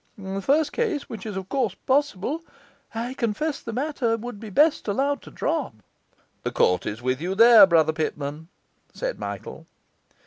In the first case, which is of course possible, I confess the matter would be best allowed to drop.' 'The court is with you there, Brother Pitman,' said Michael.